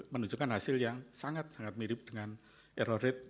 menunjukkan hasil yang sangat sangat mirip dengan error rate